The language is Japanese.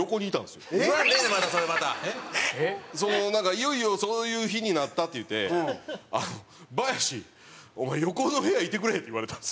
「いよいよそういう日になった」って言うて「バヤシお前横の部屋いてくれ」って言われたんですよ。